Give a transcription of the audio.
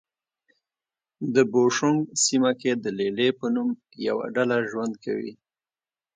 د بوشونګ سیمه کې د لې لې په نوم یوه ډله ژوند کوي.